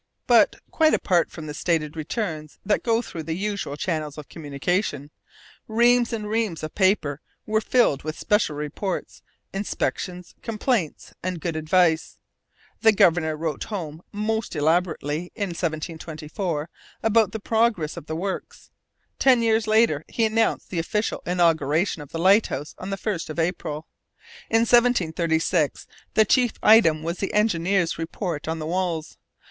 But, quite apart from the stated returns that go through 'the usual channel of communication,' reams and reams of paper were filled with special reports, inspections, complaints, and good advice. The governor wrote home, most elaborately, in 1724, about the progress of the works. Ten years later he announced the official inauguration of the lighthouse on the 1st of April. In 1736 the chief item was the engineer's report on the walls.